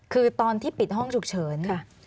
คือตอนที่ปิดห้องฉุกเฉิน